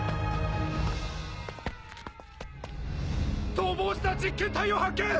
逃亡した実験体を発見！